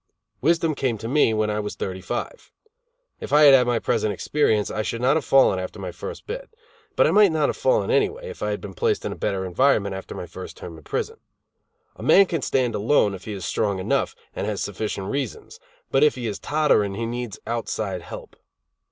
Wisdom came to me when I was thirty five. If I had had my present experience, I should not have fallen after my first bit; but I might not have fallen anyway, if I had been placed in a better environment after my first term in prison. A man can stand alone, if he is strong enough, and has sufficient reasons; but if he is tottering, he needs outside help.